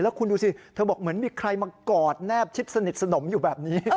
คุณดูสิเธอบอกเหมือนมีใครมากอดแนบชิดสนิทสนมอยู่แบบนี้